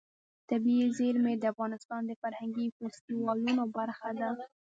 طبیعي زیرمې د افغانستان د فرهنګي فستیوالونو برخه ده.